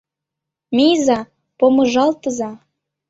Мийза, помыжалтыза...